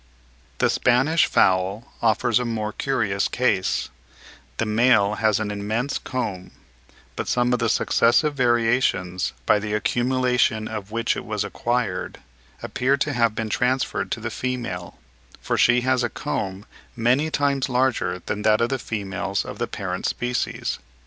The Spanish fowl offers a more curious case; the male has an immense comb, but some of the successive variations, by the accumulation of which it was acquired, appear to have been transferred to the female; for she has a comb many times larger than that of the females of the parent species.